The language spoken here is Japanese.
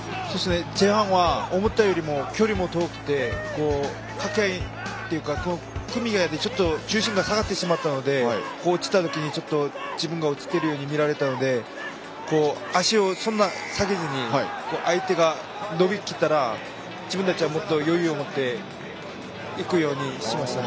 前半は思ったより距離も遠くて掛け合いというか組合の重心が下がってしまったので落ちた時に自分が落ちているように見えたので足を下げずに相手が伸びきったら自分たちが余裕を持っていくようにしました。